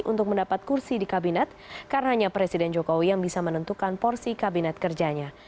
untuk mendapat kursi di kabinet karena hanya presiden jokowi yang bisa menentukan porsi kabinet kerjanya